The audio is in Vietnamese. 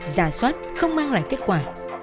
giả soát không mang lại kết quả